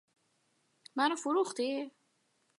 پیام